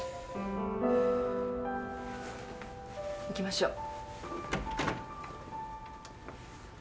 行きましょう。